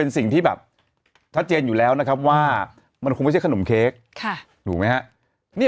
สิ่งที่แบบชัดเจนอยู่แล้วนะครับว่ามันคงไม่ใช่ขนมเค้กถูกไหมฮะ